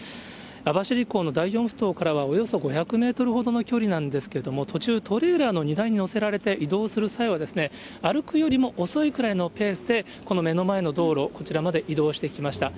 網走港の第４ふ頭からはおよそ５００メートルほどの距離なんですけれども、途中、トレーラーの荷台に載せられて移動する際は、歩くよりも遅いくらいのペースでこの目の前の道路、こちらまで移動してきました。